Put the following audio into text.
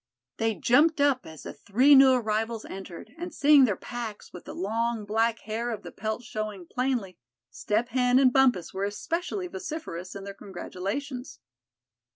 They jumped up as the three new arrivals entered, and seeing their packs, with the long black hair of the pelt showing plainly, Step Hen and Bumpus were especially vociferous in their congratulations.